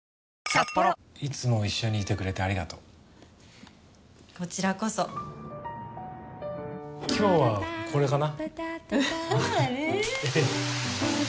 いつも一緒にいてくれてありがとうこちらこそ今日はこれかな